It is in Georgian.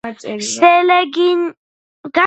სელეგინი ვეჭვალენია.